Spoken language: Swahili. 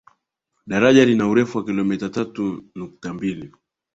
Daraja lina urefu wa kilomita tatu nukta mbili